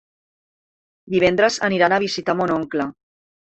Divendres aniran a visitar mon oncle.